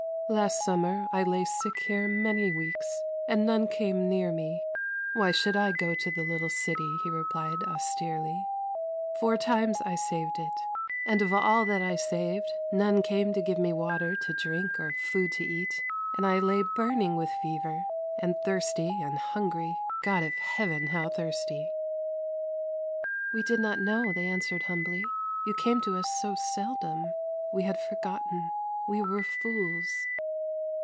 " Last summer I lay sick here many weeks and none came near me ; why should I go to the little city ?" he replied austerely. " Four times I saved it, and of all that I saved none came to give me water to drink, or food to eat, and I lay burning with fever, and thirsty and hungry — God of Heaven, how thirsty !"" We did not know," they answered humbly ;" you came to us so seldom, we had forgotten ; we were fools."